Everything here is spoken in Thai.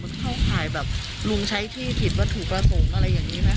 มันเข้าข่ายแบบลุงใช้ที่ผิดวัตถุประสงค์อะไรอย่างนี้ไหม